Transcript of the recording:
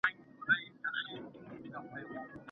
که زده کوونکي د ټولني ستونزي ولیکي نو حل لاري به یې پیدا سي.